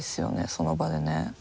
その場でね。